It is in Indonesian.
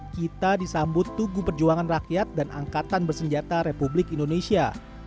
kita disambut tugu perjuangan rakyat dan angkatan bersenjata republik indonesia